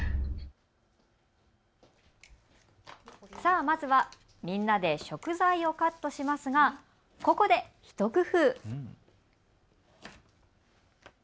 まずはみんなで食材をカットしますが、ここで一工夫。